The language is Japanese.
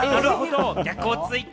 逆をついて。